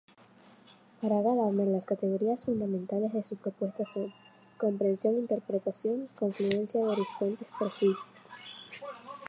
Para Gadamer las categorías fundamentales de su propuesta son: comprensión-interpretación-confluencia de horizontes-prejuicios.